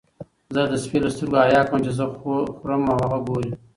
زه د سپي له سترګو حیا کوم چې زه خورم او هغه ګوري.